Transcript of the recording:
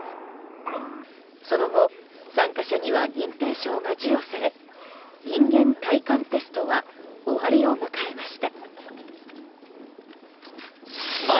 その後、参加者には認定証が授与され人間耐寒テストは終わりを迎えました。